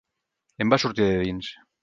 Em va sortir de dins.